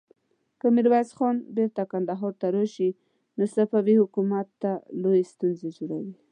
که ميرويس خان بېرته کندهار ته راشي، نو صفوي حکومت ته لويې ستونزې جوړوي.